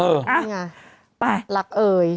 เออนี่ไงลักเอย